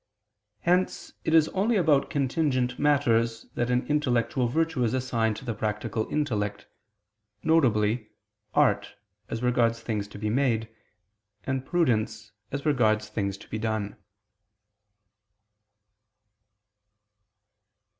Hence it is only about contingent matters that an intellectual virtue is assigned to the practical intellect, viz. art, as regards things to be made, and prudence, as regards things to be done.